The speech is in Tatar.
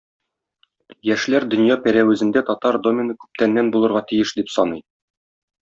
Яшьләр дөнья пәрәвәзендә татар домены күптәннән булырга тиеш дип саный.